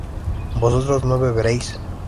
¿vosotros no beberéis?